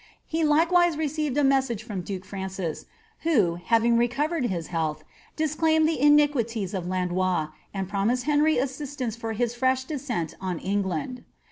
He likewise received a message from duke Francis, who, having recovered his health, disclaimed the iniquities of Landois, and promised Henry assistance for his fresh descent on England.